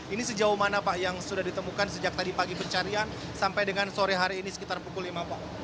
ini sejauh mana pak yang sudah ditemukan sejak tadi pagi pencarian sampai dengan sore hari ini sekitar pukul lima pak